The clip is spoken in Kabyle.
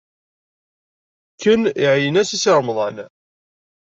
Ken iɛeyyen-as i Si Remḍan.